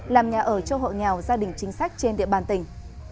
làm nhà ở cho hộ nghèo gia đình chính sách trên địa bàn tỉnh